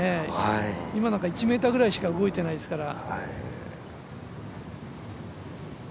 今のなんか１ｍぐらいしか動いてないですから。